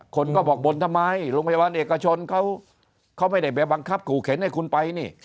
คนก็บอกบ่นทำไมโรงพยาบาลเอกชนเขาไม่ได้ไปบังคับขู่เข็นให้คุณไปนี่